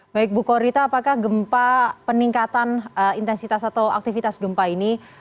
baik bu korita apakah gempa peningkatan intensitas atau aktivitas gempa ini